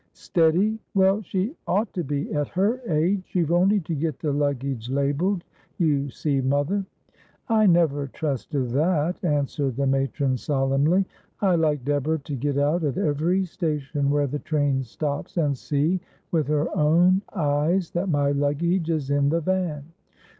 ' Steady ! Well she ought to be at her age. You've only to get the luggage labelled, you see, mother '' I never trust to that,' answered the matron solemnly. ' I like Deborah to get out at every station where the train stops, and see with her own eyes that my luggage is in the van.